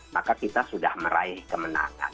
maka kita sudah meraih kemenangan